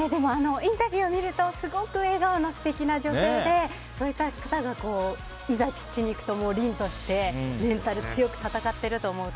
インタビュー見るとすごく笑顔の素敵な女性でそういった方がいざピッチに行くと凛としてメンタル強く戦ってると思うと